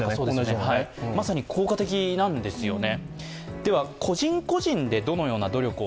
まさに効果的なんですよね。